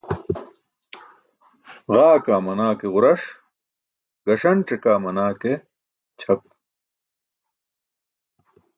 Ġaa kaa manaa ke ġuras gasance kaa manaa ke ćʰap.